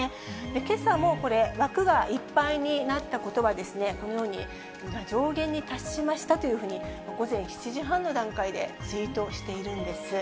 けさもこれ、枠がいっぱいになったことが、このように、上限に達しましたというふうに、午前７時半の段階でツイートしているんです。